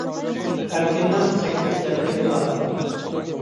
ئەركىننىڭ سەككىز دەپتىرى بار.